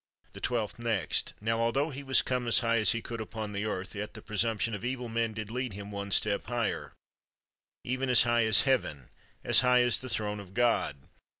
The twelfth next. Now, altho he was come as high as he could upon earth, yet the presump tion of evil men did lead him one step higher — even as high as heaven — as high as the throne of God!